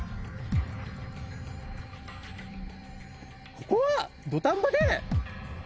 ここは土壇場で。